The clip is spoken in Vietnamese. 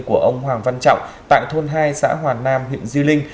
của ông hoàng văn trọng tại thôn hai xã hoàn nam huyện di linh